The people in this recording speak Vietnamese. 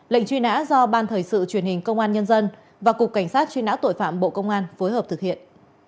lệnh chuyên án do ban thời sự truyền hình công an nhân dân và cục cảnh sát chuyên án tội phạm bộ công an phối hợp thực hiện